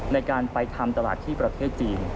ในการไปทำตลาดที่ประเทศจีน